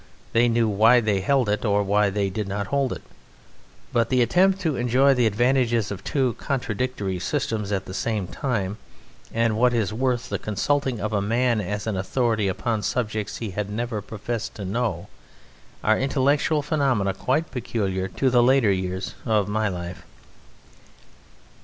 They knew why they held it or why they did not hold it; but the attempt to enjoy the advantages of two contradictory systems at the same time, and, what is worse, the consulting of a man as an authority upon subjects he had never professed to know, are intellectual phenomena quite peculiar to the later years of my life."